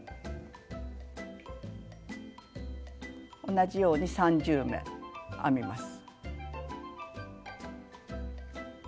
同じように３０目編みます。